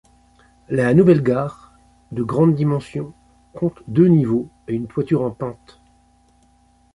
La nouvelle gare, de grandes dimensions, compte deux niveaux et une toiture en pente.